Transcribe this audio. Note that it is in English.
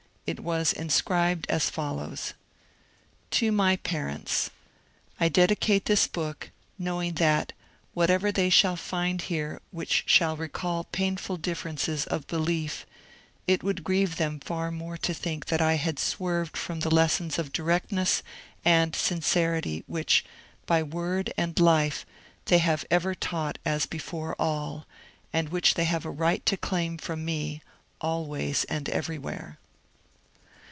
It was inscribed as follows :— TO MY PARENTS I dedicate this book, knowing that, whatever they shall find here which shall recall painful differences of belief, it would grieve them far more to think that I had swerved from the lessons of directness and sincerity which, by word and life, they have ever taught as before all, and which they have a right to claim from me always and everywhere.